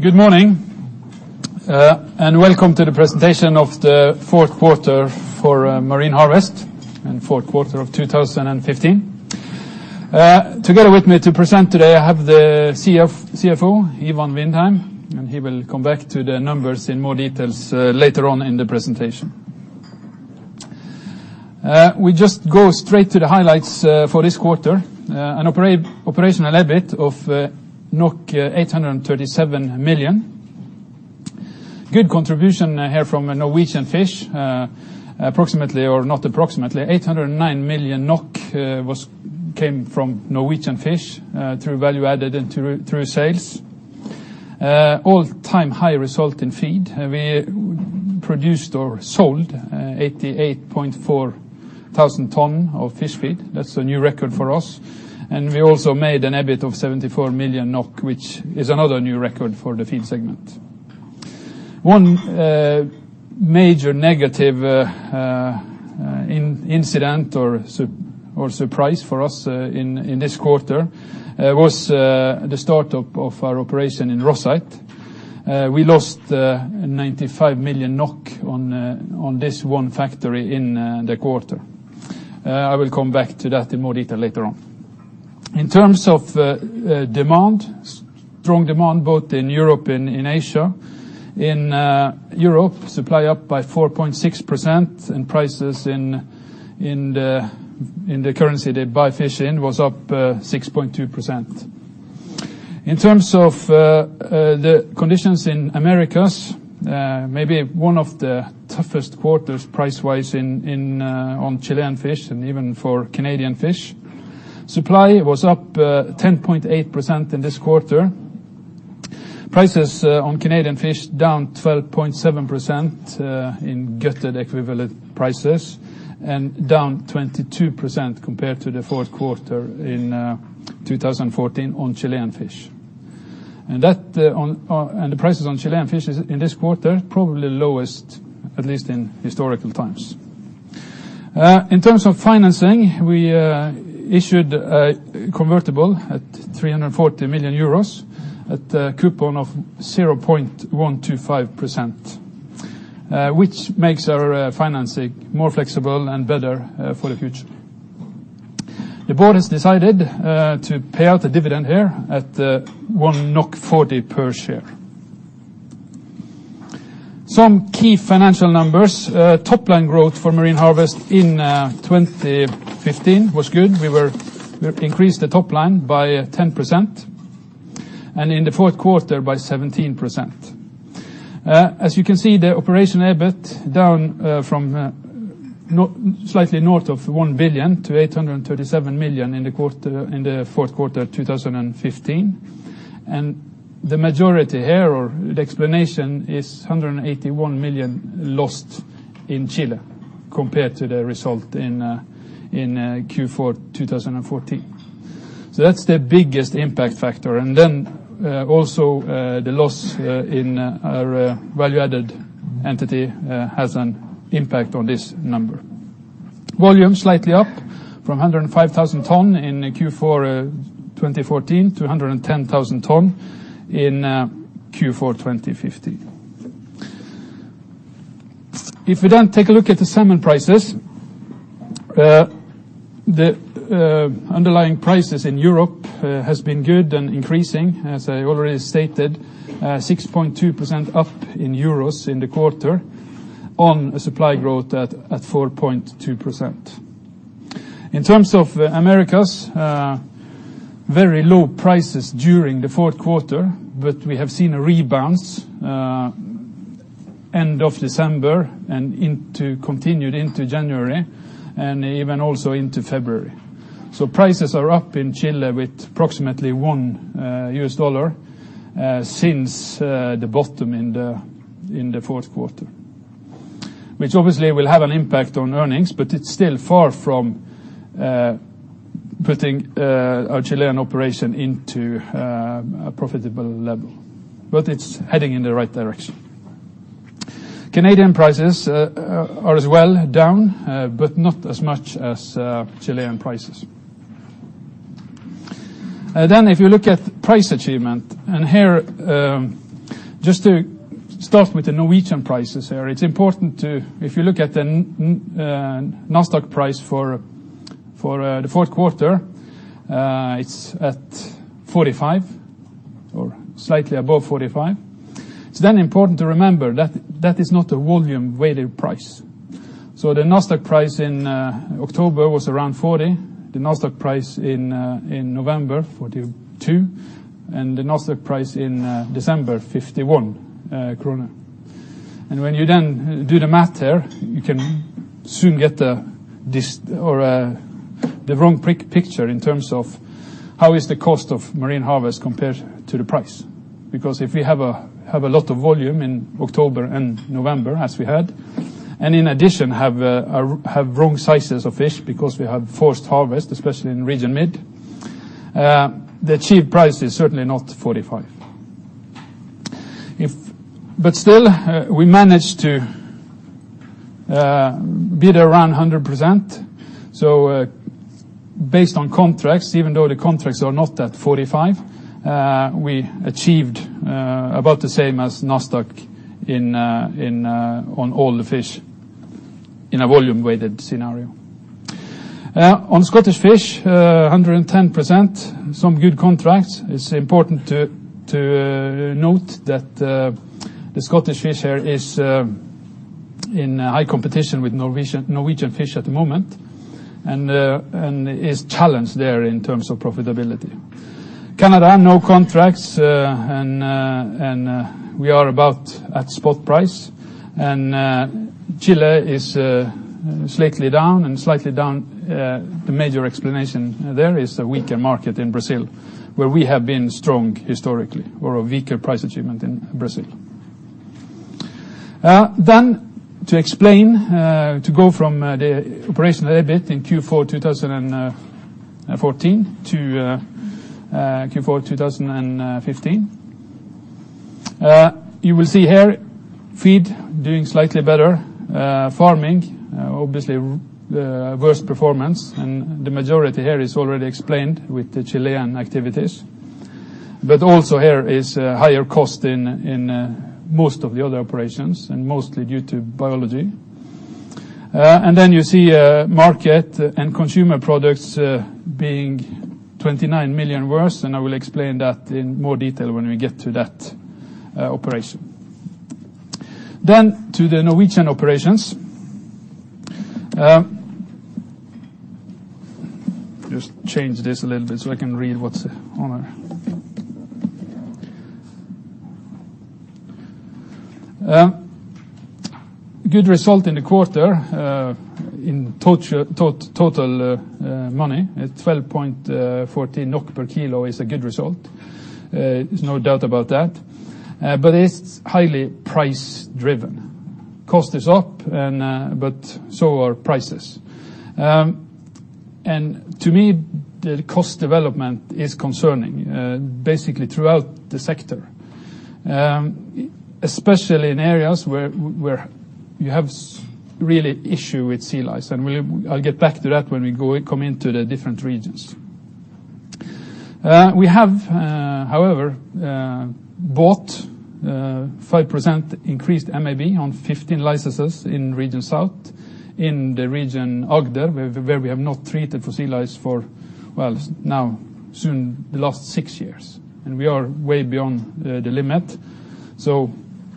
Good morning, welcome to the presentation of the 4th quarter for Marine Harvest in the 4th quarter of 2015. Together with me to present today, I have the CFO, Ivan Vindheim, and he will come back to the numbers in more details later on in the presentation. We just go straight to the highlights for this quarter. An operational EBIT of 837 million. Good contribution here from a Norwegian fish. Approximately or not approximately 809 million NOK came from Norwegian fish through value added through sales. All-time high result in feed. We produced or sold 88,400 tons of fish feed. That's a new record for us. We also made an EBIT of 74 million NOK, which is another new record for the feed segment. One major negative incident or surprise for us in this quarter was the start-up of our operation in Rosyth. We lost 95 million NOK on this 1 factory in the quarter. I will come back to that in more detail later on. In terms of demand, strong demand both in Europe and in Asia. In Europe, supply up by 4.6% and prices in the currency they buy fish in was up 6.2%. In terms of the conditions in Americas, maybe 1 of the toughest quarters price-wise on Chilean fish and even for Canadian fish. Supply was up 10.8% in this quarter. Prices on Canadian fish down 12.7% in gutted equivalent prices and down 22% compared to the 4th quarter in 2014 on Chilean fish. The prices on Chilean fish in this quarter, probably lowest, at least in historical times. In terms of financing, we issued a convertible at 340 million euros at a coupon of 0.125%, which makes our financing more flexible and better for the future. The board has decided to pay out the dividend here at 1.40 NOK per share. Some key financial numbers. Top-line growth for Marine Harvest in 2015 was good. We increased the top line by 10% and in the fourth quarter by 17%. As you can see, the operational EBIT down from slightly north of 1 billion-837 million in the fourth quarter of 2015. The majority here or the explanation is 181 million lost in Chile compared to the result in Q4 2014. That's the biggest impact factor. Then also the loss in our value-added entity has an impact on this number. Volume slightly up from 105,000 tons in Q4 2014-110,000 tons in Q4 2015. If we take a look at the salmon prices, the underlying prices in Europe has been good and increasing, as I already stated, 6.2% up in EUR in the quarter on a supply growth at 4.2%. In terms of Americas, very low prices during the fourth quarter, but we have seen a rebound end of December and continued into January and even also into February. Prices are up in Chile with approximately $1 since the bottom in the fourth quarter, which obviously will have an impact on earnings, but it's still far from putting our Chilean operation into a profitable level. It's heading in the right direction. Canadian prices are as well down, but not as much as Chilean prices. If you look at price achievement, just to start with the Norwegian prices, it is important, if you look at the Nasdaq price for the fourth quarter, it is at 45 or slightly above 45. It is important to remember that is not a volume-weighted price. The Nasdaq price in October was around 40, the Nasdaq price in November, 42, and the Nasdaq price in December, 51 krone. When you do the math there, you can soon get the wrong picture in terms of how is the cost of Marine Harvest compared to the price. If we have a lot of volume in October and November as we had, and in addition have wrong sizes of fish because we had forced harvest, especially in Region Mid, the cheap price is certainly not 45. Still, we managed EBIT around 100%. Based on contracts, even though the contracts are not at 45, we achieved about the same as Nasdaq on all the fish in a volume-weighted scenario. On Scottish fish, 110%, some good contracts. It's important to note that the Scottish fish here is in high competition with Norwegian fish at the moment and is challenged there in terms of profitability. Canada, no contracts, and we are about at spot price. Chile is slightly down, and the major explanation there is a weaker market in Brazil, where we have been strong historically, or a weaker price achievement in Brazil. To explain, to go from the operational EBITDA in Q4 2014-Q4 2015. You will see here feed doing slightly better. Farming, obviously worse performance, and the majority here is already explained with the Chilean activities. Also here is a higher cost in most of the other operations and mostly due to biology. You see market and consumer products being 29 million worse, and I will explain that in more detail when we get to that operation. To the Norwegian operations. Just change this a little bit so I can read what's on here. A good result in the quarter in total money at 12.14 NOK per kilo is a good result. There's no doubt about that. It's highly price-driven. Cost is up, but so are prices. To me, the cost development is concerning basically throughout the sector, especially in areas where you have really issue with sea lice, and I'll get back to that when we come into the different regions. We have, however, bought 5% increased MAB on 50 licenses in Region South, in the region Agder, where we have not treated for sea lice for, well, now soon the last 6 years, and we are way beyond the limit.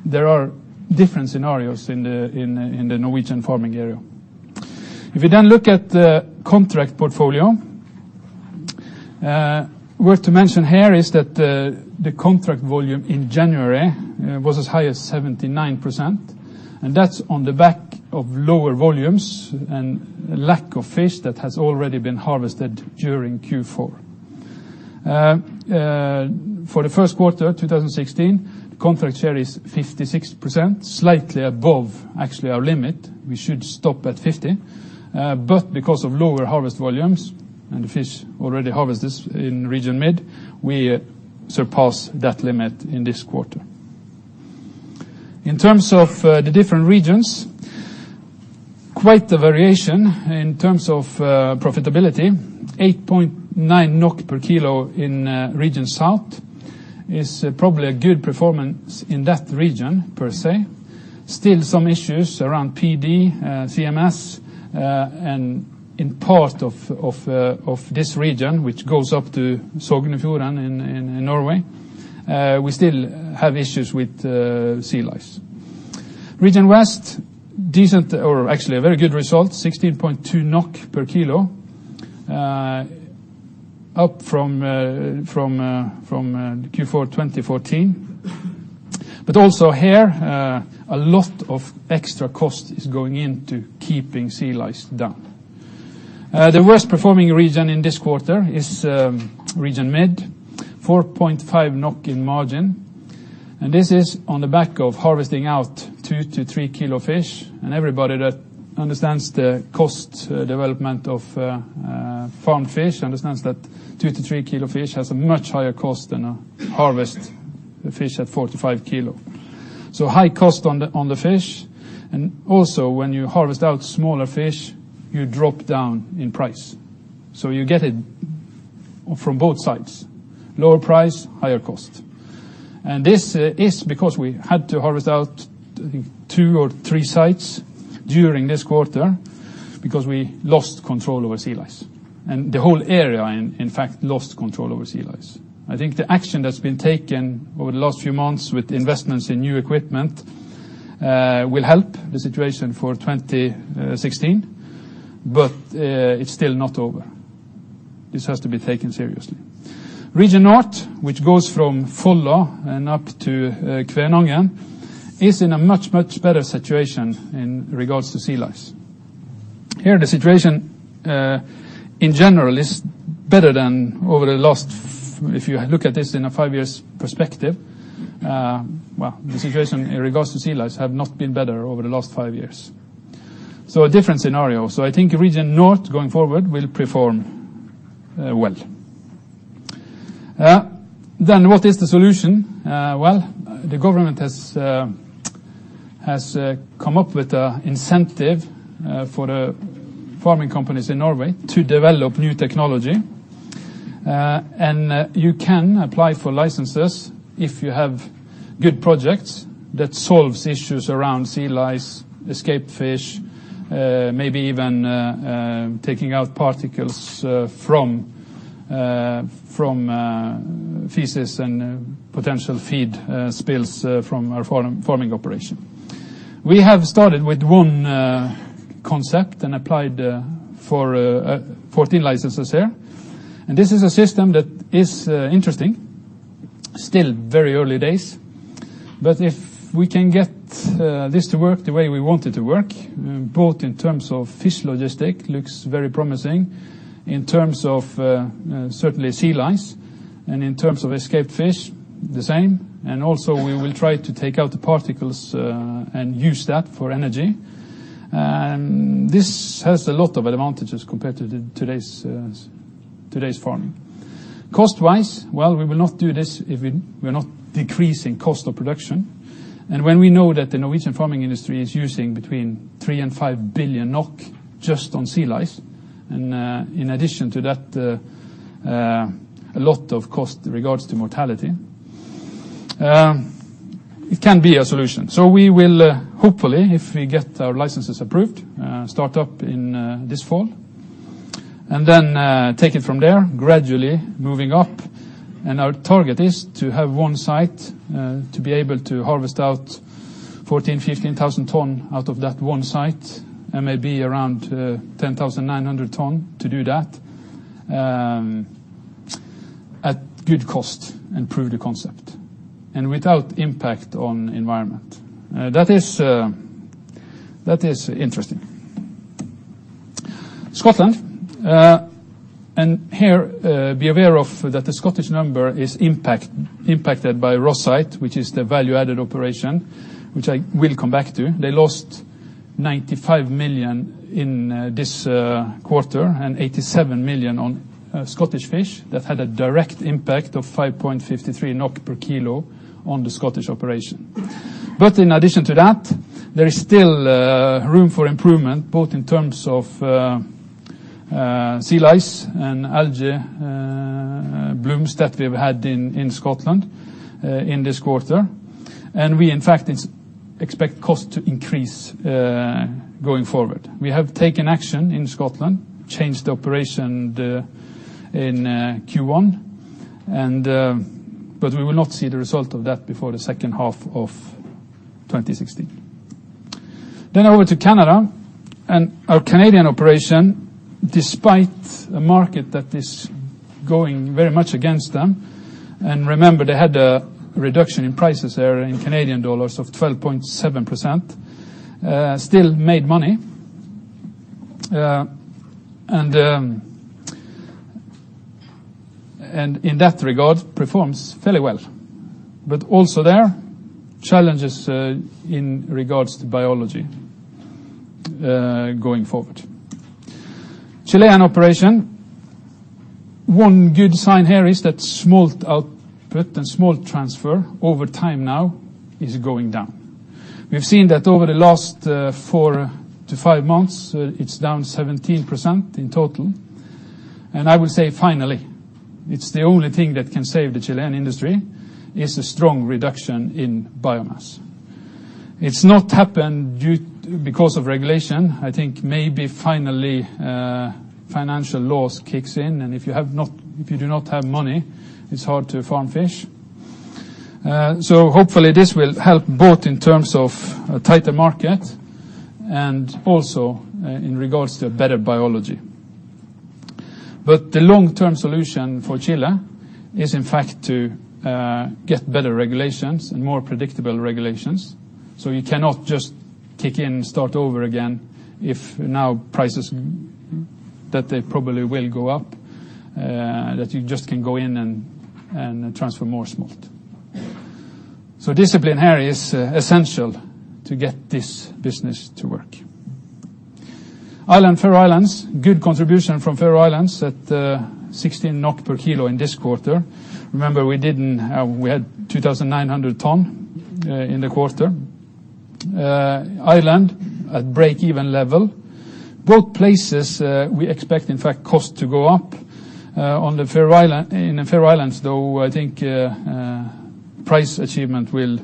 There are different scenarios in the Norwegian farming area. If we then look at the contract portfolio, worth to mention here is that the contract volume in January was as high as 79%, and that's on the back of lower volumes and lack of fish that has already been harvested during Q4. For the first quarter 2016, contract here is 56%, slightly above actually our limit. We should stop at 50. Because of lower harvest volumes and fish already harvested in Region Mid, we surpassed that limit in this quarter. In terms of the different regions, quite the variation in terms of profitability, 8.9 NOK per kilo in Region South is probably a good performance in that region per se. Still some issues around PD, CMS, and in part of this region, which goes up to Sogn og Fjordane in Norway, we still have issues with sea lice. Region West, decent or actually a very good result, 16.2 NOK per kilo, up from Q4 2014. Also here, a lot of extra cost is going into keeping sea lice down. The worst-performing region in this quarter is Region Mid, 4.5 NOK in margin, and this is on the back of harvesting out 2-3 kilo fish. Everybody that understands the cost development of farmed fish understands that 2-3 kilo fish has a much higher cost than a harvest fish at 4-5 kilo. High cost on the fish, and also when you harvest out smaller fish, you drop down in price. You get it from both sides, lower price, higher cost. This is because we had to harvest out 2 or 3 sites during this quarter because we lost control over sea lice, and the whole area, in fact, lost control over sea lice. I think the action that's been taken over the last few months with investments in new equipment will help the situation for 2016, but it's still not over. This has to be taken seriously. Region North, which goes from Folla and up to Kvænangen, is in a much better situation in regards to sea lice. If you look at this in a 5-year perspective, well, the situation in regards to sea lice have not been better over the last 5 years. A different scenario. I think Region North going forward will perform well. Yeah. What is the solution? Well, the government has come up with an incentive for the farming companies in Norway to develop new technology. You can apply for licenses if you have good projects that solve issues around sea lice, escaped fish, maybe even taking out particles from feces and potential feed spills from our farming operation. We have started with one concept and applied for 14 licenses there. This is a system that is interesting. Still very early days, but if we can get this to work the way we want it to work, both in terms of fish logistics, looks very promising, in terms of certainly sea lice and in terms of escaped fish, the same. Also, we will try to take out the particles and use that for energy. This has a lot of advantages compared to today's farm. Cost-wise, well, we will not do this if we're not decreasing cost of production. When we know that the Norwegian farming industry is using between 3 billion-5 billion NOK just on sea lice, and in addition to that, a lot of cost in regards to mortality, it can be a solution. We will hopefully, if we get our licenses approved, start up this fall and then take it from there, gradually moving up. Our target is to have one site to be able to harvest out 14,000 tons-15,000 tons out of that one site and maybe around 10,900 tons to do that at good cost and prove the concept and without impact on environment. That is interesting. Scotland. Here, be aware that the Scottish number is impacted by Rosyth, which is the value-added operation, which I will come back to. They lost 95 million in this quarter and 87 million on Scottish fish. That had a direct impact of 5.53 NOK per kilo on the Scottish operation. In addition to that, there is still room for improvement, both in terms of sea lice and algae blooms that we've had in Scotland in this quarter. We, in fact, expect cost to increase going forward. We have taken action in Scotland, changed operation in Q1, but we will not see the result of that before the second half of 2016. Over to Canada and our Canadian operation, despite a market that is going very much against them, and remember they had a reduction in prices there in Canadian dollars of 12.7%, still made money, and in that regard, performs fairly well. Also there, challenges in regards to biology going forward. Chilean operation. One good sign here is that smolt output and smolt transfer over time now is going down. We've seen that over the last four to five months, it's down 17% in total. I would say finally. It's the only thing that can save the Chilean industry is a strong reduction in biomass. It's not happened because of regulation. I think maybe finally financial laws kicks in, and if you do not have money, it's hard to farm fish. Hopefully, this will help both in terms of a tighter market and also in regards to better biology. The long-term solution for Chile is in fact to get better regulations and more predictable regulations. You cannot just kick in and start over again if now prices, that they probably will go up, that you just can go in and transfer more smolt. Discipline here is essential to get this business to work. Ireland, Faroe Islands. Good contribution from Faroe Islands at 16 NOK per kilo in this quarter. Remember, we had 2,900 ton in the quarter. Ireland at break-even level. Both places we expect, in fact, cost to go up. In the Faroe Islands, though, I think price achievement will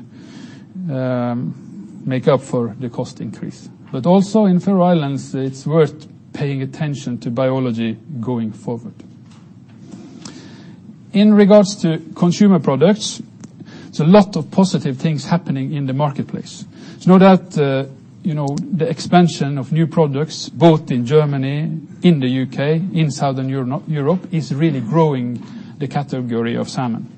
make up for the cost increase. Also in Faroe Islands, it's worth paying attention to biology going forward. In regards to consumer products, there's a lot of positive things happening in the marketplace. Know that the expansion of new products both in Germany, in the U.K., in Southern Europe, is really growing the category of salmon.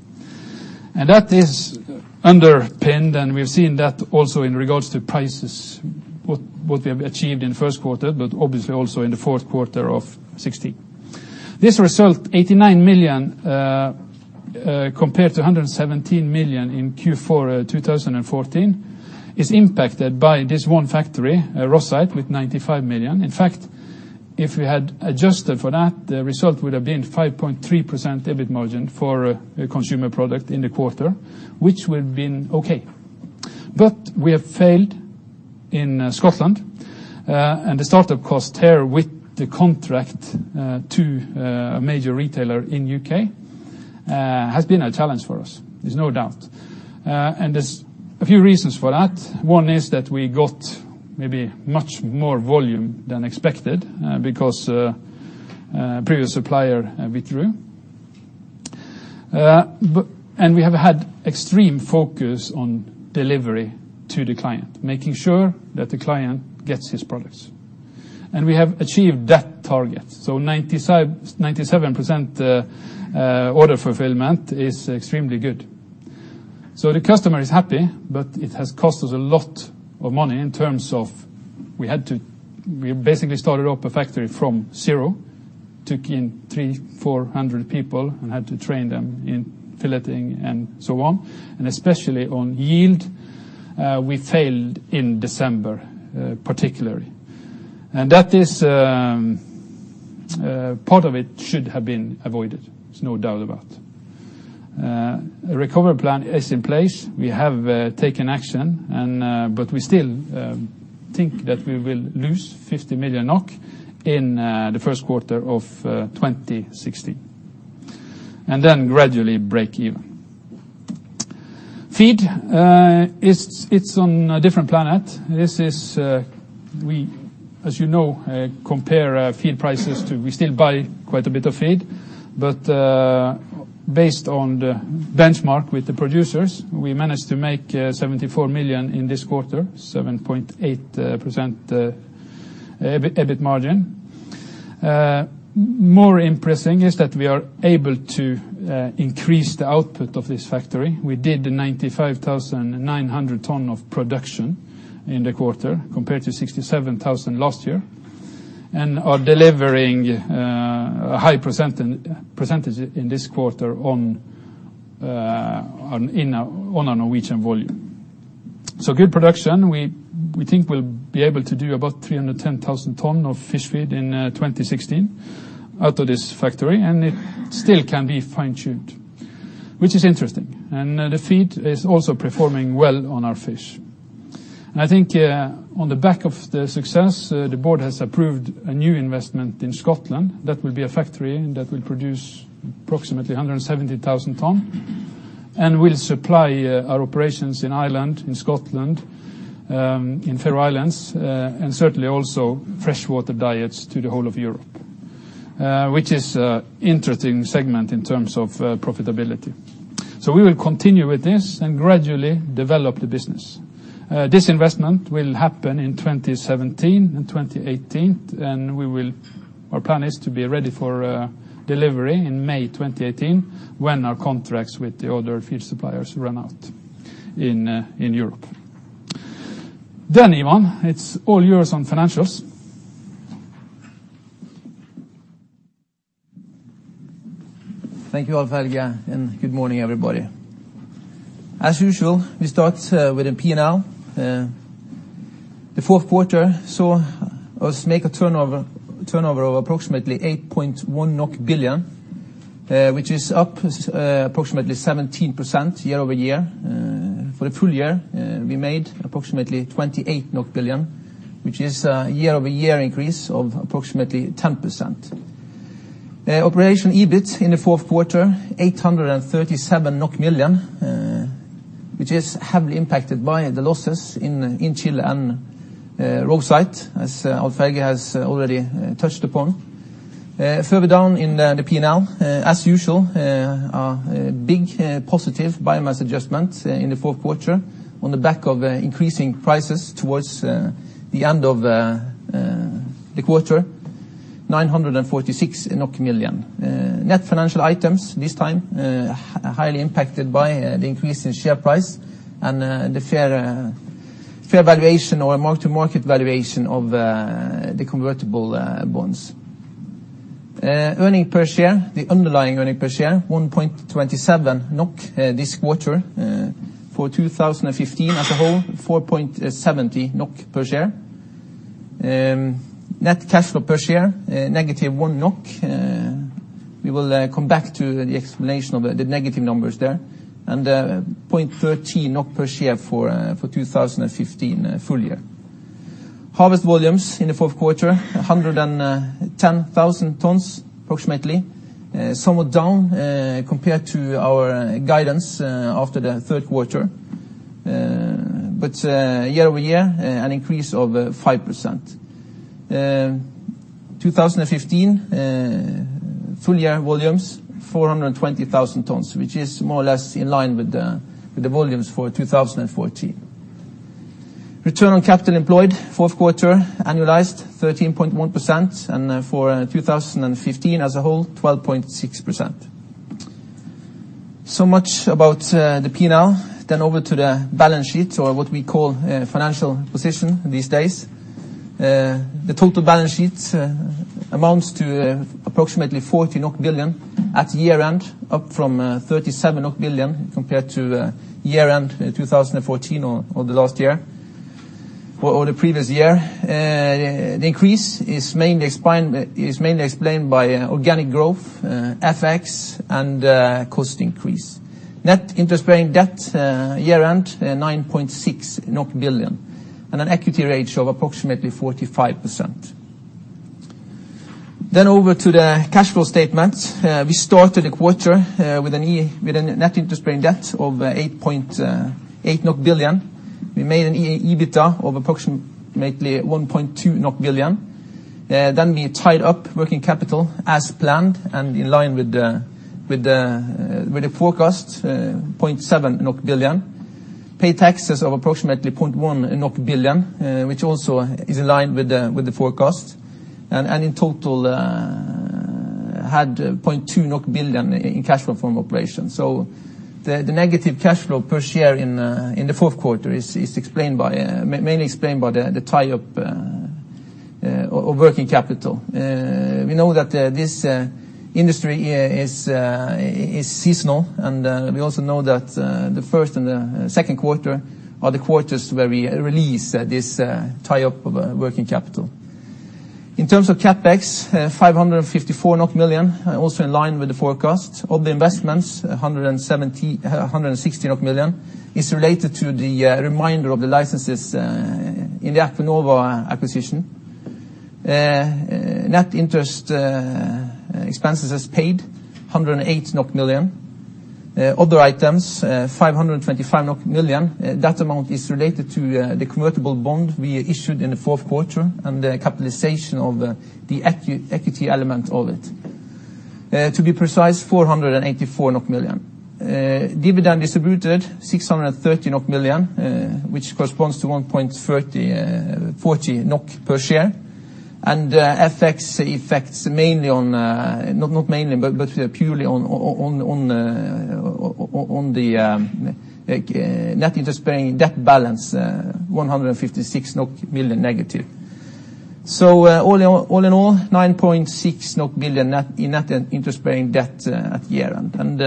That is underpinned, and we've seen that also in regards to prices, what we have achieved in first quarter but obviously also in the fourth quarter of 2016. This result, 89 million compared to 117 million in Q4 2014, is impacted by this one factory, Rosyth, with 95 million. If we had adjusted for that, the result would have been 5.3% EBIT margin for the consumer product in the quarter, which would have been okay. We have failed in Scotland, and the start-up cost there with the contract to a major retailer in the U.K. has been a challenge for us. There's no doubt. There's a few reasons for that. One is that we got maybe much more volume than expected because previous supplier went through. We have had extreme focus on delivery to the client, making sure that the client gets his products. We have achieved that target. 97% order fulfillment is extremely good. The customer is happy, but it has cost us a lot of money in terms of we basically started up a factory from zero, took in 300, 400 people and had to train them in filleting and so on, and especially on yield, we failed in December, particularly. Part of it should have been avoided. There's no doubt about it. A recovery plan is in place. We have taken action, but we still think that we will lose 50 million NOK in the first quarter of 2016 and then gradually break even. Feed, it's on a different planet. We, as you know, compare feed prices too. We still buy quite a bit of feed, but based on the benchmark with the producers, we managed to make 74 million in this quarter, 7.8% EBIT margin. More impressive is that we are able to increase the output of this factory. We did 95,900 tons of production in the quarter, compared to 67,000 last year, and are delivering a high percentage in this quarter on a Norwegian volume. Good production. We think we'll be able to do about 310,000 tons of fish feed in 2016 out of this factory, and it still can be fine-tuned, which is interesting. The feed is also performing well on our fish. I think on the back of the success, the board has approved a new investment in Scotland. That will be a factory that will produce approximately 170,000 tons and will supply our operations in Ireland, in Scotland, in Faroe Islands, and certainly also freshwater diets to the whole of Europe, which is an interesting segment in terms of profitability. We will continue with this and gradually develop the business. This investment will happen in 2017 and 2018, and our plan is to be ready for delivery in May 2018 when our contracts with the other feed suppliers run out in Europe. Ivan, it's all yours on financials. Thank you, Alf-Helge, good morning, everybody. As usual, we start with the P&L. The fourth quarter saw us make a turnover of approximately 8.1 billion NOK, which is up approximately 17% year-over-year. For the full year, we made approximately 28 billion, which is a year-over-year increase of approximately 10%. Operation EBIT in the fourth quarter, 837 million NOK, which is heavily impacted by the losses in Chile and Rosyth, as Alf-Helge has already touched upon. Further down in the P&L, as usual, a big positive biomass adjustment in the fourth quarter on the back of increasing prices towards the end of the quarter, 946 million. Net financial items this time, highly impacted by the increase in share price and the fair valuation or mark-to-market valuation of the convertible bonds. Earning per share, the underlying earning per share, 1.27 NOK this quarter. For 2015 as a whole, 4.70 NOK per share. Net cash flow per share, negative 1 NOK. We will come back to the explanation of the negative numbers there and 0.13 NOK per share for 2015 full year. Harvest volumes in the fourth quarter, 110,000 tons approximately, somewhat down compared to our guidance after the third quarter but year-over-year, an increase of 5%. 2015 full year volumes, 420,000 tons, which is more or less in line with the volumes for 2014. Return on capital employed, fourth quarter annualized, 13.1%, and for 2015 as a whole, 12.6%. Much about the P&L. Over to the balance sheet or what we call financial position these days. The total balance sheet amounts to approximately 40 billion NOK at year-end, up from 37 billion NOK compared to year-end 2014 or the last year. For the previous year, the increase is mainly explained by organic growth, FX, and cost increase. Net interest-bearing debt year-end 9.6 billion NOK and an equity ratio of approximately 45%. Over to the cash flow statement. We started the quarter with a net interest-bearing debt of 8.8 billion NOK. We made an EBITDA of approximately 1.2 billion NOK. We tied up working capital as planned and in line with the forecast, 0.7 billion NOK. Pay taxes of approximately 0.1 billion NOK, which also is in line with the forecast. In total had 0.2 billion NOK in cash flow from operations. The negative cash flow per share in the fourth quarter is mainly explained by the tie-up of working capital. We know that this industry is seasonal, we also know that the first and the second quarter are the quarters where we release this tie-up of working capital. In terms of CapEx, 554 million, also in line with the forecast. Of the investments, 160 million is related to the remainder of the licenses in the Acuinova acquisition. Net interest expenses paid, 108 million NOK. Other items, 525 million NOK. That amount is related to the convertible bond we issued in the fourth quarter and the capitalization of the equity element of it. To be precise, 484 million NOK. Dividend distributed, 630 million NOK, which corresponds to 1.40 NOK per share. FX effects not mainly, but purely on the net interest-bearing debt balance, 156 million negative. All in all, 9.6 billion net interest-bearing debt at year-end.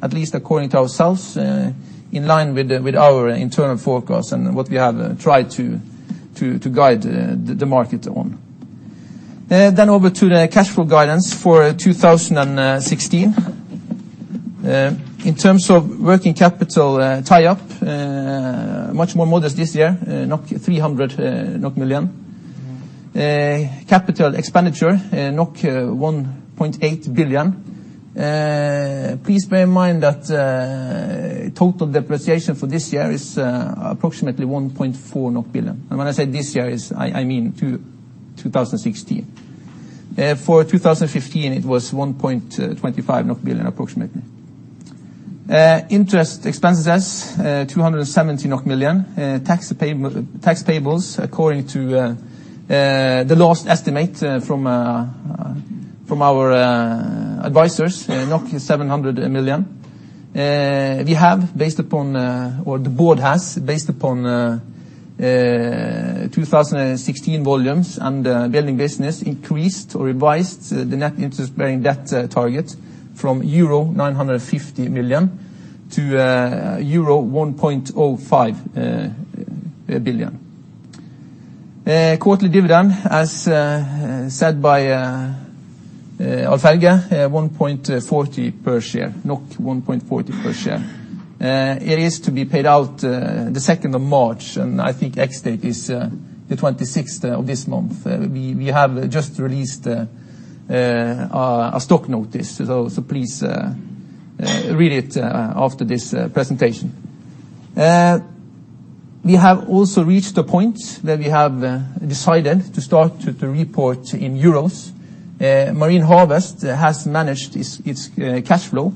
At least according to ourselves, in line with our internal forecast and what we have tried to guide the market on. Over to the cash flow guidance for 2016. In terms of working capital tie-up, much more modest this year, 300 million. CapEx, 1.8 billion. Please bear in mind that total depreciation for this year is approximately 1.4 billion. When I say this year, I mean 2016. For 2015, it was 1.25 billion approximately. Interest expenses, 270 million. Tax payables according to the last estimate from our advisors, 700 million. The board has based upon 2016 volumes and building business increased or revised the net interest-bearing debt target from 950 million-1.05 billion euro. Quarterly dividend, as said by Alf-Helge Aarskog, 1.40 per share. It is to be paid out the 2nd of March, and I think ex-date is the 26th of this month. We have just released a stock notice, so please read it after this presentation. We have also reached a point where we have decided to start to report in euros. Marine Harvest has managed its cash flow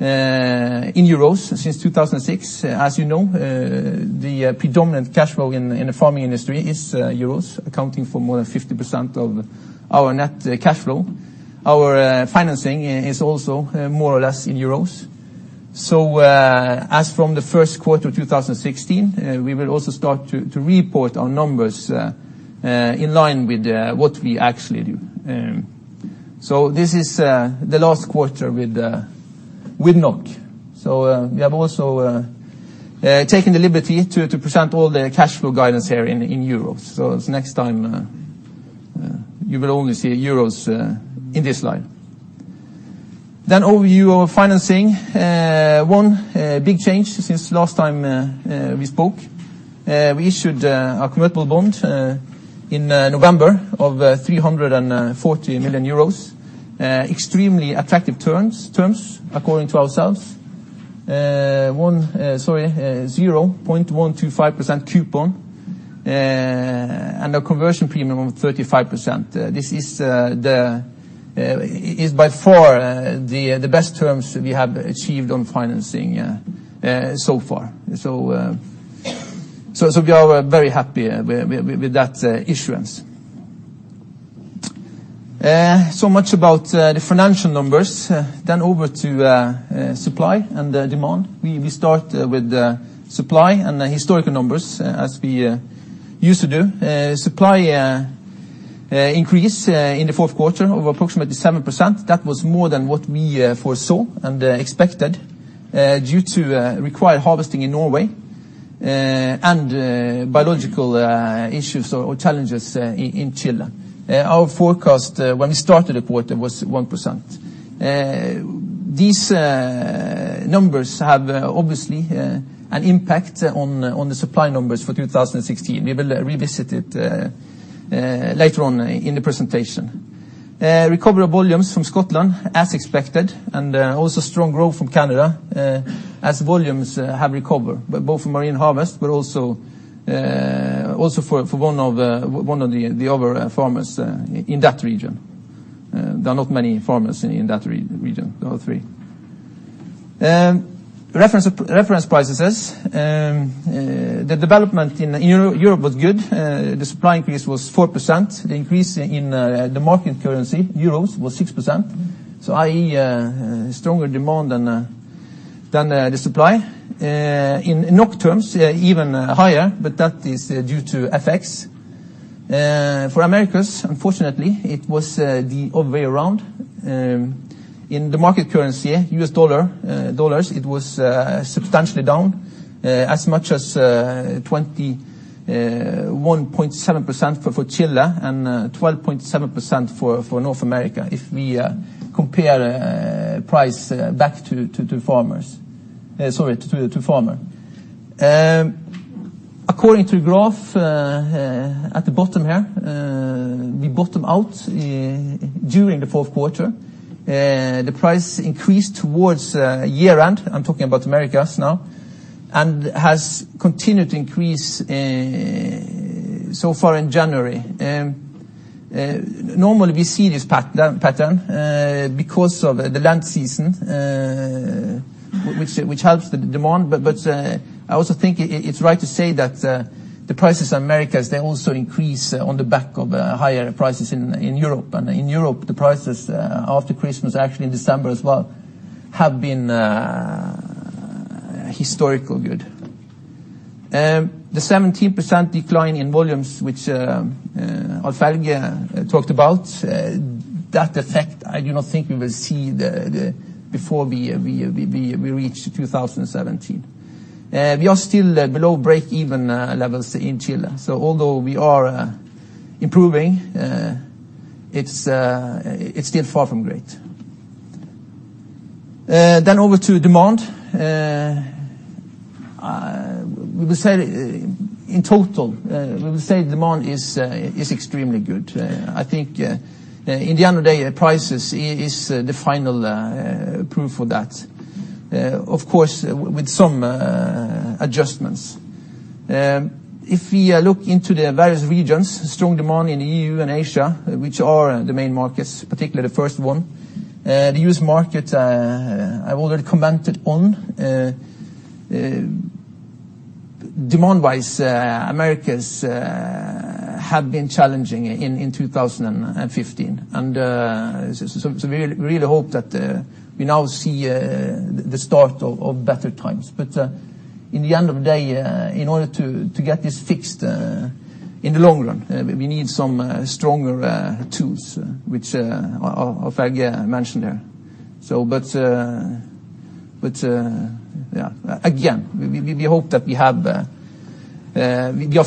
in euros since 2006. As you know, the predominant cash flow in the farming industry is euros, accounting for more than 50% of our net cash flow. Our financing is also more or less in euros. As from the first quarter of 2016, we will also start to report our numbers in line with what we actually do. This is the last quarter with NOK. We have also taken the liberty to present all the cash flow guidance here in euros. Next time you will only see euros in this slide. Overview of financing. One big change since last time we spoke. We issued a convertible bond in November of 340 million euros. Extremely attractive terms according to ourselves. 0.125% coupon and a conversion premium of 35%. This is by far the best terms we have achieved on financing so far. We are very happy with that issuance. Much about the financial numbers. Over to supply and demand. We start with supply and the historical numbers as we used to do. Supply increase in the fourth quarter of approximately 7%. That was more than what we foresaw and expected due to required harvesting in Norway and biological issues or challenges in Chile. Our forecast when we started the quarter was 1%. These numbers have obviously an impact on the supply numbers for 2016. We will revisit it later on in the presentation. Recovery volumes from Scotland as expected, and also strong growth from Canada as volumes have recovered, both from Marine Harvest but also for one of the other farmers in that region. There are not many farmers in that region, there are 3. Reference prices. The development in Europe was good. The supply increase was 4%. The increase in the market currency, euros, was 6%. I.e., stronger demand than the supply. In NOK terms even higher, but that is due to FX. For Americas, unfortunately, it was the other way around. In the market currency, U.S. dollars, it was substantially down as much as 21.7% for Chile and 12.7% for North America if we compare price back to the farmer. According to the graph at the bottom here, we bottom out during the fourth quarter. The price increased towards year-end, I'm talking about Americas now, and has continued to increase so far in January. Normally we see this pattern because of the Lent season which helps with the demand, I also think it's right to say that the prices in Americas, they also increase on the back of higher prices in Europe. In Europe the prices after Christmas, actually in December as well, have been historically good. The 17% decline in volumes which Alf-Helge Aarskog talked about, that effect I do not think we will see before we reach 2017. We are still below break-even levels in Chile, although we are improving, it's still far from great. Over to demand. In total, we will say demand is extremely good. I think in the end of the day, the prices is the final proof of that, of course with some adjustments. If we look into the various regions, strong demand in EU and Asia, which are the main markets, particularly the first one. The U.S. market I already commented on. Demand-wise, Americas have been challenging in 2015. We really hope that we now see the start of better times. In the end of the day, in order to get this fixed in the long run, we need some stronger tools which Alf-Helge Aarskog mentioned there. Again, we hope that we have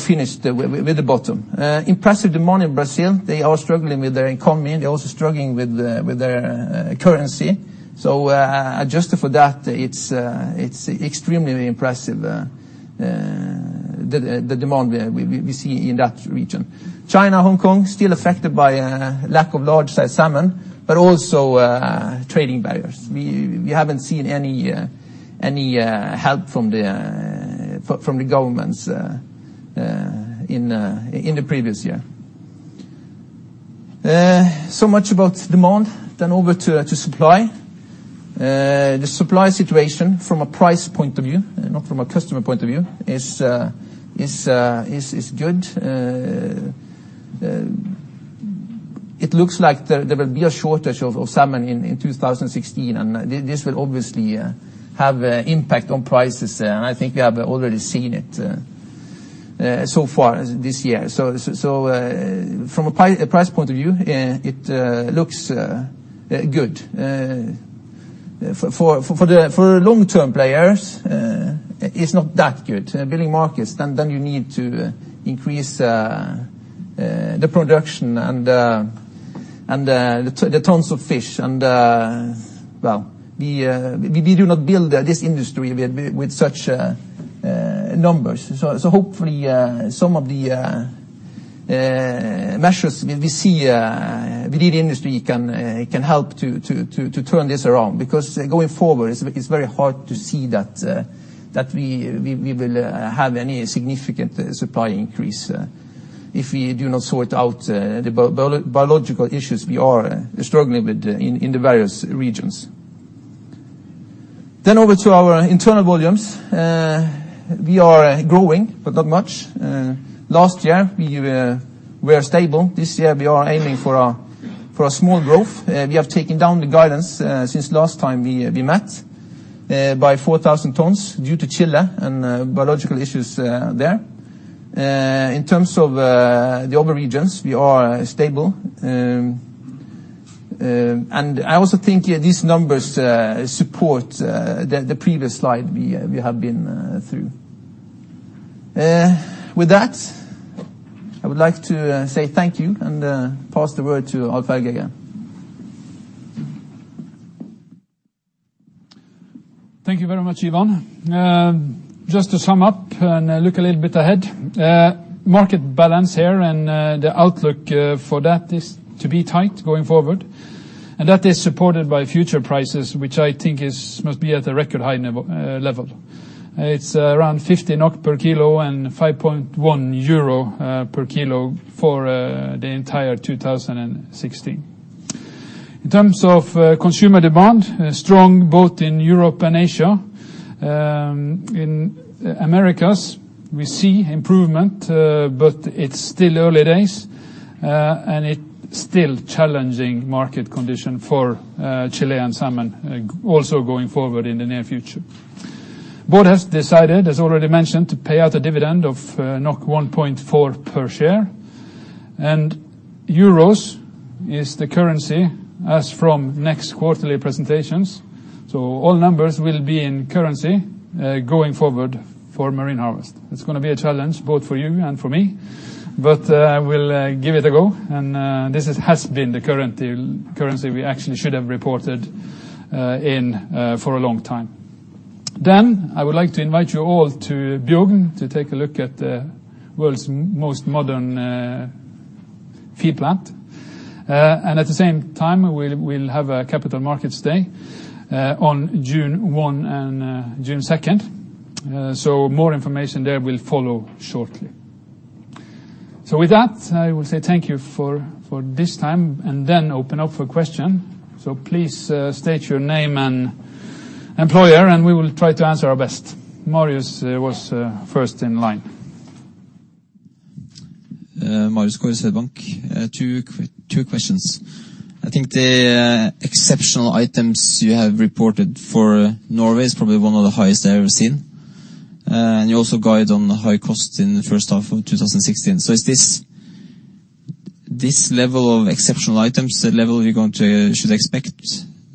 finished with the bottom. Impressive demand in Brazil. They are struggling with their economy. They're also struggling with their currency. Adjusted for that it's extremely impressive the demand we see in that region. China, Hong Kong still affected by a lack of large-size salmon, also trading barriers. We haven't seen any help from the governments in the previous year. Much about demand. Over to supply. The supply situation from a price point of view and not from a customer point of view is good. It looks like there will be a shortage of salmon in 2016. This will obviously have an impact on prices. I think we have already seen it so far this year. From a price point of view it looks good. For long-term players, it's not that good. Building markets, you need to increase the production and the tons of fish. We did not build this industry with such numbers. Hopefully some of the measures we see within the industry can help to turn this around because going forward it's very hard to see that we will have any significant supply increase if we do not sort out the biological issues we are struggling with in the various regions. Over to our internal volumes. We are growing, but not much. Last year we were stable. This year we are aiming for a small growth. We have taken down the guidance since last time we met by 4,000 tonnes due to Chile and biological issues there. In terms of the other regions, we are stable. I also think these numbers support the previous slide we have been through. With that, I would like to say thank you and pass the word to Alf-Helge Aarskog. Thank you very much, Ivan. Just to sum up and look a little bit ahead. Market balance here and the outlook for that is to be tight going forward, and that is supported by future prices, which I think must be at a record high level. It's around 50 NOK per kilo and 5.1 euro per kilo for the entire 2016. In terms of consumer demand, strong both in Europe and Asia. In Americas, we see improvement, but it's still early days, and it's still challenging market condition for Chilean salmon also going forward in the near future. Board has decided, as already mentioned, to pay out a dividend of 1.4 per share. Euros is the currency as from next quarterly presentations. All numbers will be in currency going forward for Marine Harvest. It's going to be a challenge both for you and for me, but we'll give it a go, and this has been the currency we actually should have reported in for a long time. I would like to invite you all to Bjugn to take a look at the world's most modern feed plant. At the same time, we'll have a capital markets day on June 1st and June 2nd. More information there will follow shortly. With that, I will say thank you for this time and then open up for question. Please state your name and employer, and we will try to answer our best. Marius was first in line. Marius, Koza Bank. 2 questions. I think the exceptional items you have reported for Norway is probably one of the highest I've ever seen. You also guide on the high cost in the first half of 2016. Is this level of exceptional items the level we should expect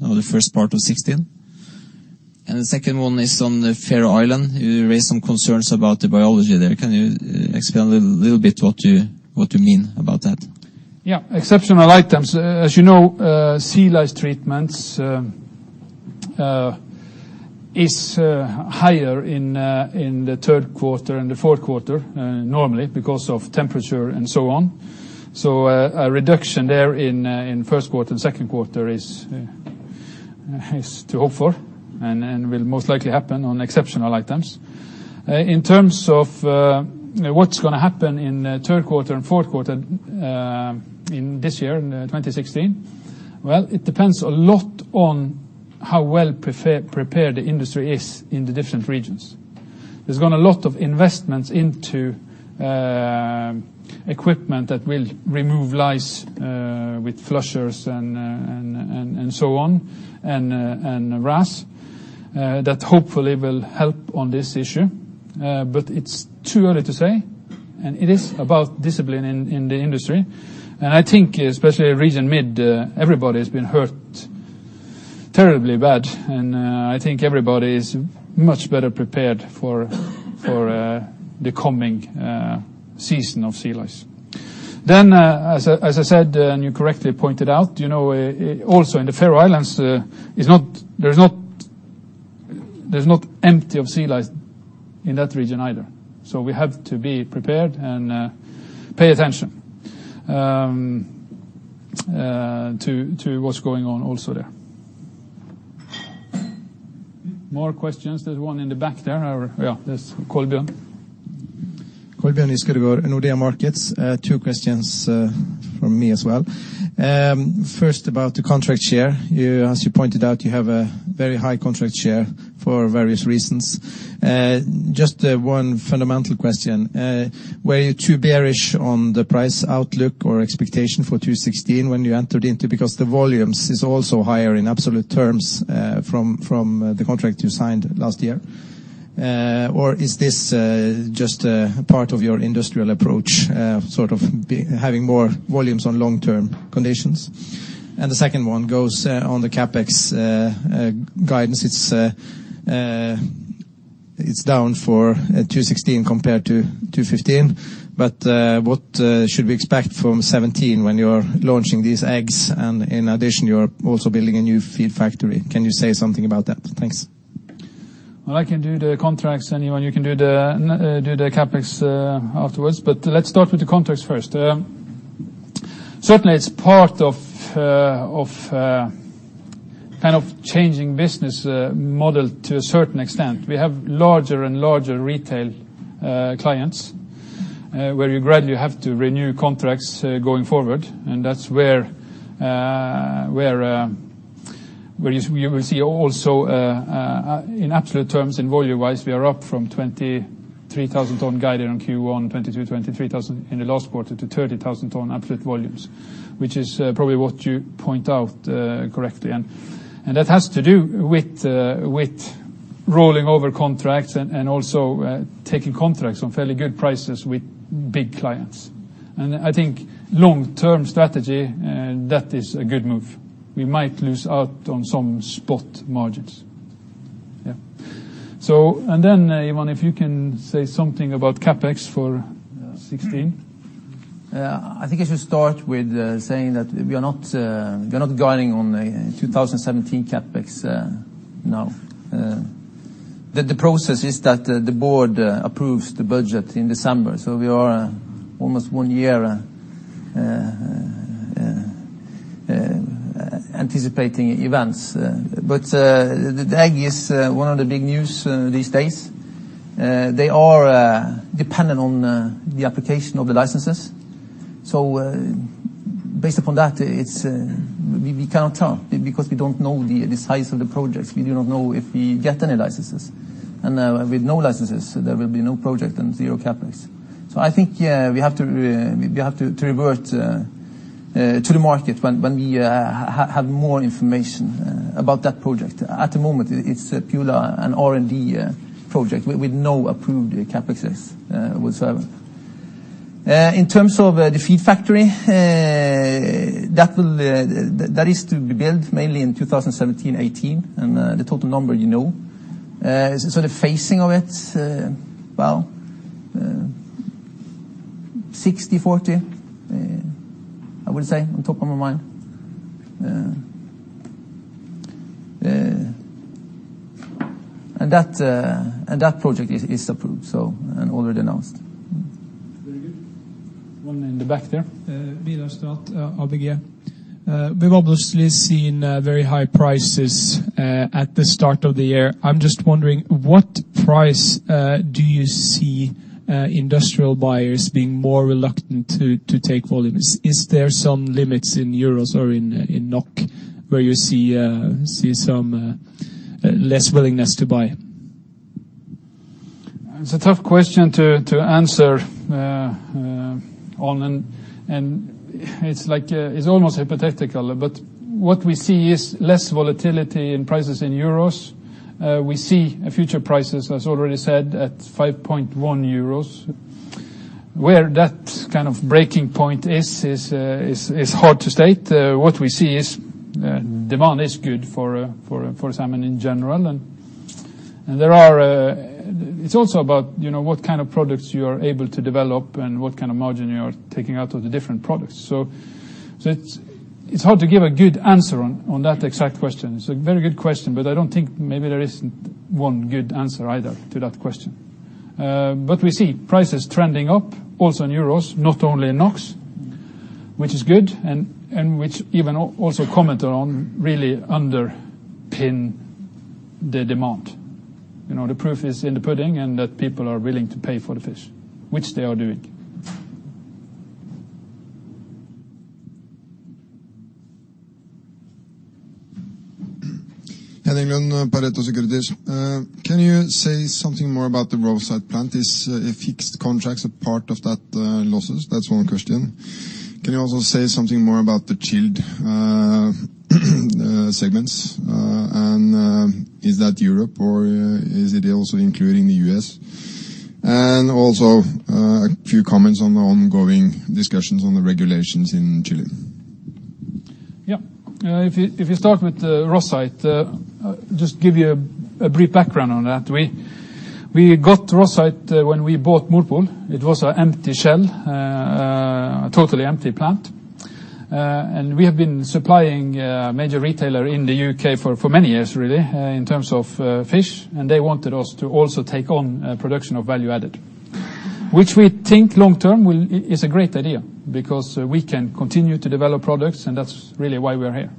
on the first part of 2016? The second one is on the Faroe Island. You raised some concerns about the biology there. Can you explain a little bit what you mean about that? Yeah. Exceptional items. As you know, sea lice treatments is higher in the 3rd quarter and the 4th quarter normally because of temperature and so on. A reduction there in 1st quarter and 2nd quarter is to hope for and will most likely happen on exceptional items. In terms of what's going to happen in 3rd quarter and 4th quarter in this year, in 2016, well, it depends a lot on how well prepared the industry is in the different regions. There's been a lot of investments into equipment that will remove lice with flushers and so on and RAS that hopefully will help on this issue. It's too early to say, and it is about discipline in the industry. I think especially in Region Mid, everybody's been hurt terribly bad, and I think everybody is much better prepared for the coming season of sea lice. As I said and you correctly pointed out, also in the Faroe Islands, they're not empty of sea lice in that region either. We have to be prepared and pay attention to what's going on also there. More questions. There's one in the back there. Yeah, that's Kolbjørn. Kolbjørn Giskeødegård, Nordea Markets. Two questions from me as well. First, about the contract share. As you pointed out, you have a very high contract share for various reasons. Just one fundamental question. Were you too bearish on the price outlook or expectation for 2016 when you entered into because the volumes is also higher in absolute terms from the contract you signed last year? Or is this just a part of your industrial approach, sort of having more volumes on long-term conditions? The second one goes on the CapEx guidance. It's down for 2016 compared to 2015, but what should we expect from 2017 when you are launching these eggs and in addition, you are also building a new feed factory? Can you say something about that? Thanks. I can do the contracts, you can do the CapEx afterwards. Let's start with the contracts first. Certainly, it's part of changing business model to a certain extent. We have larger and larger retail clients where we gradually have to renew contracts going forward, that's where you will see also in absolute terms and volume-wise, we are up from 23,000 tons guided on Q1 2022, 3,000 in the last quarter to 30,000 tons outlet volumes, which is probably what you point out correctly. That has to do with rolling over contracts and also taking contracts on fairly good prices with big clients. I think long-term strategy, that is a good move. We might lose out on some spot margins. Yeah. Then, Ivan, if you can say something about CapEx for 2016. I think I should start with saying that we are not guiding on the 2017 CapEx now. The process is that the board approves the budget in December. We are almost one year anticipating events. The egg is 1 of the big news these days. They are dependent on the application of the licenses. Based upon that, we cannot tell because we don't know the size of the projects. We do not know if we get any licenses, and with no licenses, there will be no project and zero CapEx. I think we have to revert to the market when we have more information about that project. At the moment, it's pure an R&D project with no approved CapEx whatsoever. In terms of the feed factory, that is to be built mainly in 2017/2018, and the total number you know. The phasing of it, well, 60/40, I would say, on top of my mind. That project is approved, so, and already announced. Very good. One in the back there. Vidar Strat, ABG. We've obviously seen very high prices at the start of the year. I'm just wondering, what price do you see industrial buyers being more reluctant to take volumes? Is there some limits in EUR or in NOK where you see some less willingness to buy? It's a tough question to answer on and it's almost hypothetical, but what we see is less volatility in prices in EUR. We see future prices, as already said, at 5.1 euros. Where that kind of breaking point is hard to state. What we see is demand is good for salmon in general. It's also about what kind of products you are able to develop and what kind of margin you are taking out of the different products. It's hard to give a good answer on that exact question. It's a very good question, but I don't think maybe there is one good answer either to that question. We see prices trending up also in EUR, not only in NOK, which is good and which even also comment on really underpin the demand. The proof is in the pudding and that people are willing to pay for the fish, which they are doing. Henning on Pareto Securities. Can you say something more about the Rosyth plant? Is fixed contracts a part of that losses? That's one question. Can you also say something more about the chilled segments and is that Europe or is it also including the U.S.? A few comments on the ongoing discussions on the regulations in Chile. Yeah. If you start with Rosyth, I'll just give you a brief background on that. We got Rosyth when we bought Mowi. It was an empty shell, a totally empty plant. We have been supplying a major retailer in the U.K. for many years really in terms of fish, and they wanted us to also take on production of value-added. Which we think long-term is a great idea because we can continue to develop products, and that's really why we're here.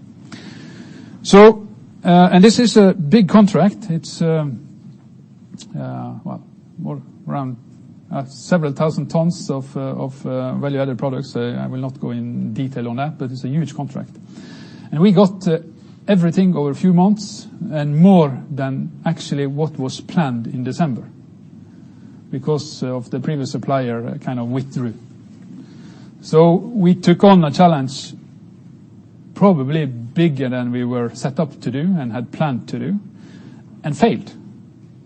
This is a big contract. It's around several thousand tons of value-added products. I will not go in detail on that, but it's a huge contract. We got everything over a few months and more than actually what was planned in December because of the previous supplier withdrew. We took on a challenge, probably bigger than we were set up to do and had planned to do, and failed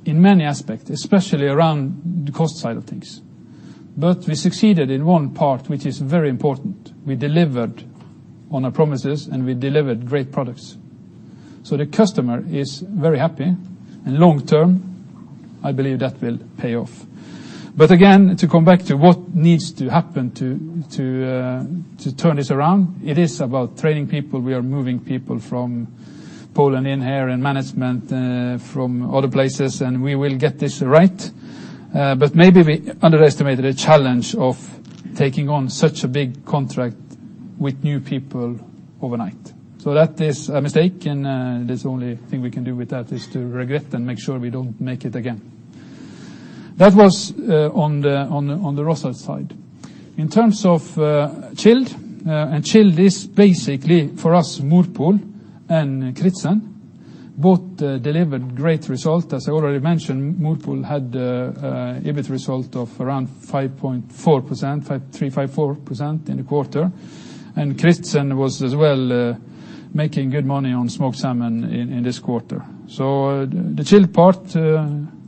in many aspects, especially around the cost side of things. We succeeded in one part, which is very important. We delivered on our promises, and we delivered great products. The customer is very happy. Long-term, I believe that will pay off. Again, to come back to what needs to happen to turn this around, it is about training people. We are moving people from Poland in here and management from other places, and we will get this right. Maybe we underestimated the challenge of taking on such a big contract with new people overnight. That is a mistake, and there's only thing we can do with that is to regret and make sure we don't make it again. That was on the Rosyth side. In terms of chilled, and chilled is basically for us, Mowi and Kritsen Both delivered great results. As I already mentioned, Mowi had an EBIT result of around 3.54% in the quarter. Kritsen was as well making good money on smoked salmon in this quarter. The chilled part,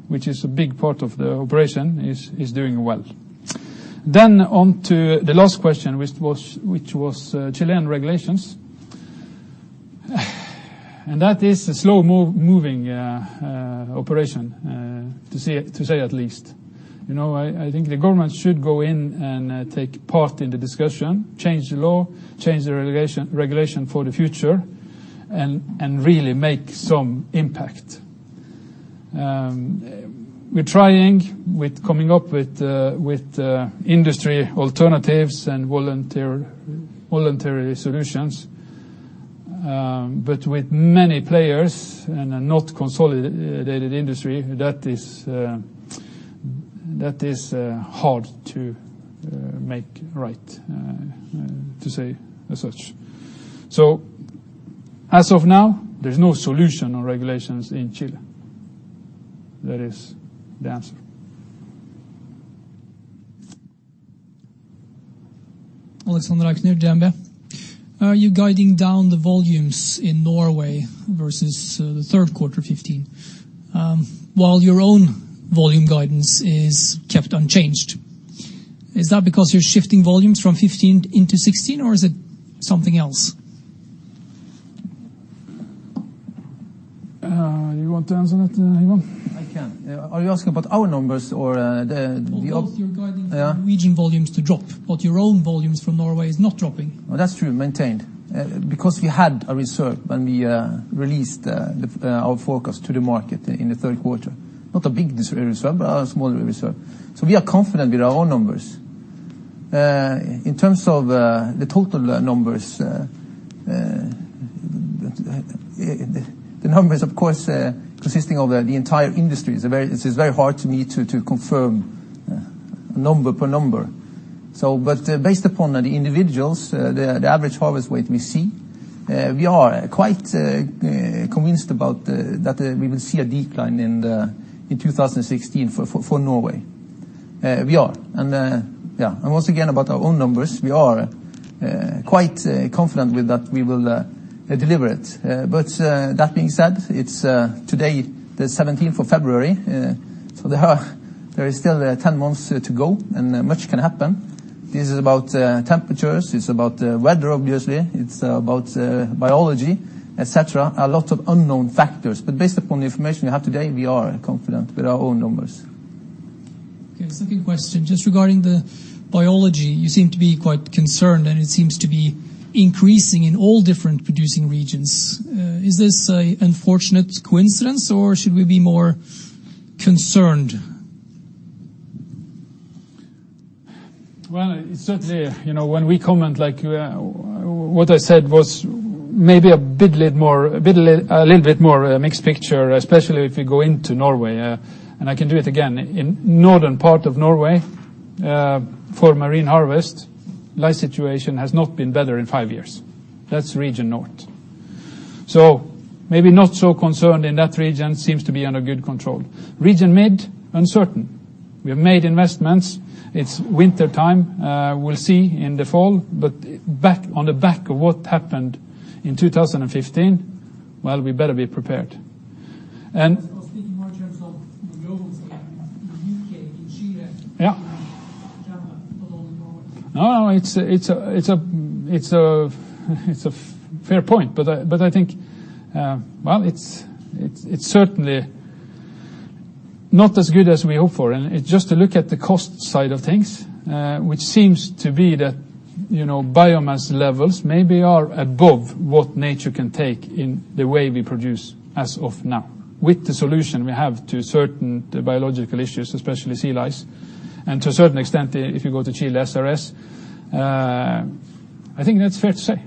which is a big part of the operation, is doing well. On to the last question, which was Chilean regulations. That is a slow-moving operation, to say the least. I think the government should go in and take part in the discussion, change the law, change the regulation for the future, and really make some impact. We're trying with coming up with industry alternatives and voluntary solutions. With many players and a not consolidated industry, that is hard to make right, to say as such. As of now, there's no solution on regulations in Chile. That is the answer. Ole Sandak Nyrjeme. Are you guiding down the volumes in Norway versus the third quarter 2015, while your own volume guidance is kept unchanged? Is that because you're shifting volumes from 2015 into 2016, or is it something else? You want to answer that, Ivan Vindheim? I can. Are you asking about our numbers or the- About your guidance for region volumes to drop, but your own volumes from Norway is not dropping. Well, that's true, maintained. We had a reserve when we released our focus to the market in the third quarter. Not a big reserve, a small reserve. We are confident in our own numbers. In terms of the total numbers, the numbers, of course, consisting of the entire industry, it is very hard for me to confirm number per number. Based upon the individuals, the average harvest weight we see, we are quite convinced about that we will see a decline in 2016 for Norway. We are. Once again, about our own numbers, we are quite confident with that we will deliver it. That being said, it's today the 17th of February, so there is still 10 months to go and much can happen. This is about temperatures, it's about weather obviously, it's about biology, et cetera. A lot of unknown factors. Based upon the information we have today, we are confident with our own numbers. Okay, there's a good question. Just regarding the biology, you seem to be quite concerned, and it seems to be increasing in all different producing regions. Is this a unfortunate coincidence, or should we be more concerned? Well, certainly, when we comment, what I said was maybe a little bit more a mixed picture, especially if you go into Norway. I can do it again. In northern part of Norway, for Marine Harvest, lice situation has not been better in 5 years. That's Region North. Maybe not so concerned in that region, seems to be under good control. Region Mid, uncertain. We've made investments. It's wintertime. We'll see in the fall. On the back of what happened in 2015, well, we better be prepared. I was thinking more in terms of the global scene, the U.K., the Chile- Yeah Canada along Norway. No, it's a fair point. I think, well, it's certainly not as good as we hope for. Just to look at the cost side of things, which seems to be that biomass levels maybe are above what nature can take in the way we produce as of now, with the solution we have to certain biological issues, especially sea lice, and to a certain extent, if you go to Chile, SRS. I think that's fair to say.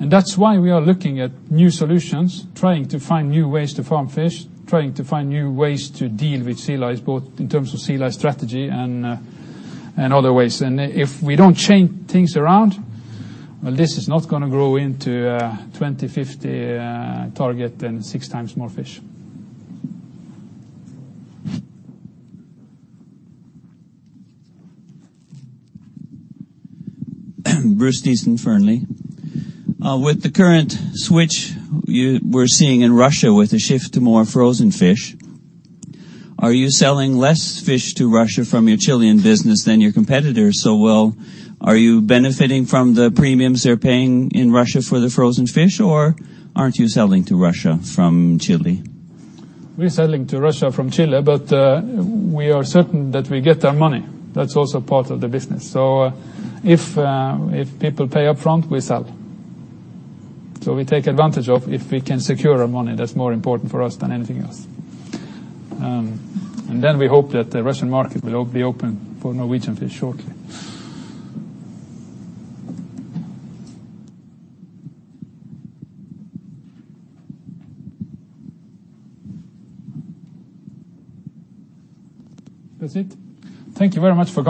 That's why we are looking at new solutions, trying to find new ways to farm fish, trying to find new ways to deal with sea lice, both in terms of sea lice strategy and other ways. If we don't change things around, well, this is not going to grow into 2050 target and 6 times more fish. Bruce Nixon, Fernley. With the current switch you we're seeing in Russia with a shift to more frozen fish, are you selling less fish to Russia from your Chilean business than your competitors? Well, are you benefiting from the premiums they're paying in Russia for the frozen fish, or aren't you selling to Russia from Chile? We are selling to Russia from Chile, but we are certain that we get our money. That's also part of the business. If people pay up front, we sell. We take advantage of it if we can secure our money. That's more important for us than anything else. Then we hope that the Russian market will be open for Norwegian fish shortly. That's it. Thank you very much for coming